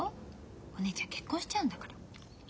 お姉ちゃん結婚しちゃうんだから。